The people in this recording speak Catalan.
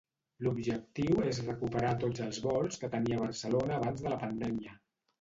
L'objectiu és recuperar tots els vols que tenia Barcelona abans de la pandèmia.